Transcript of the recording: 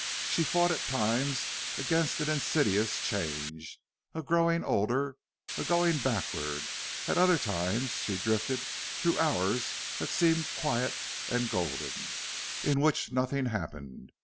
She fought at times against an insidious change a growing older a going backward; at other times she drifted through hours that seemed quiet and golden, in which nothing happened.